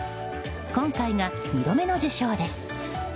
今回が２度目の受賞です。